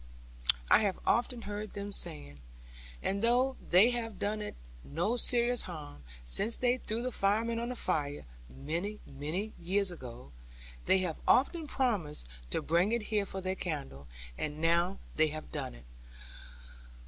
I have often heard them saying. And though they have done it no serious harm, since they threw the firemen on the fire, many, many years ago, they have often promised to bring it here for their candle; and now they have done it.